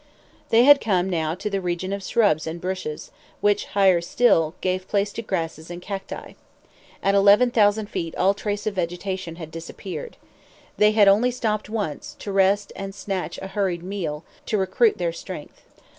They had come now to the region of shrubs and bushes, which, higher still, gave place to grasses and cacti. At 11,000 feet all trace of vegetation had disappeared. They had only stopped once, to rest and snatch a hurried meal to recruit their strength.